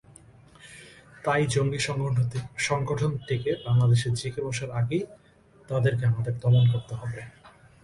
তাই জঙ্গি সংগঠনটি বাংলাদেশে জেঁকে বসার আগেই তাদেরকে আমাদের দমন করতে হবে।